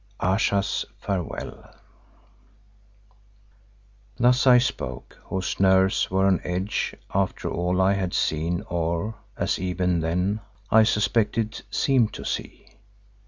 AYESHA'S FAREWELL Thus I spoke whose nerves were on edge after all that I had seen or, as even then I suspected, seemed to see.